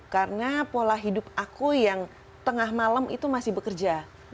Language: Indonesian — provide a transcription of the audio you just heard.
karena pola hidup aku yang tengah malam itu masih bekerja